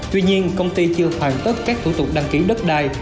tuy nhiên công ty chưa hoàn tất các thủ tục đăng ký đất đai